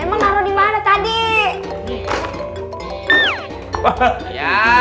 emang lahir dimana tadi ya